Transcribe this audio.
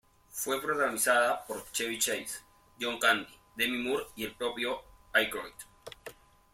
Fue protagonizada por Chevy Chase, John Candy, Demi Moore y el propio Aykroyd.